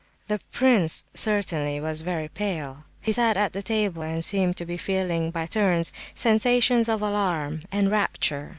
The prince certainly was very pale. He sat at the table and seemed to be feeling, by turns, sensations of alarm and rapture.